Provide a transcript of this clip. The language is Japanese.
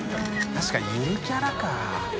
確かにゆるキャラか。